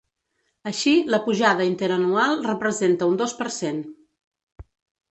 Així, l’apujada interanual representa un dos per cent.